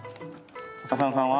浅野さんは？